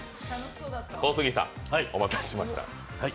小杉さん、お待たせしました。